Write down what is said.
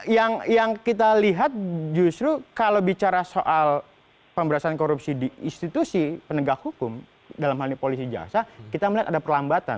yang kita lihat justru kalau bicara soal pemberantasan korupsi di institusi penegak hukum dalam hal ini polisi jasa kita melihat ada perlambatan